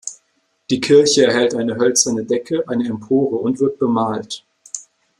Die Kirche erhält eine hölzerne Decke, eine Empore und wird bemalt.